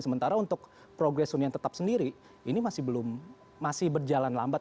sementara untuk progres hunian tetap sendiri ini masih berjalan lambat